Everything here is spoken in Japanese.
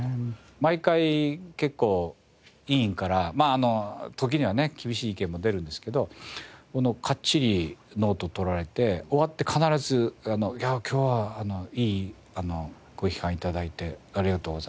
毎回結構委員からまあ時にはね厳しい意見も出るんですけどかっちりノートを取られて終わって必ず「いやあ今日はいいご批判頂いてありがとうございます」